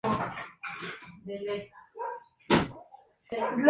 Ambos peleadores recibieron el premio a la "Pelea de la Noche".